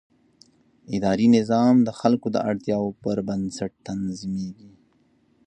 اداري نظام د خلکو د اړتیاوو پر بنسټ تنظیمېږي.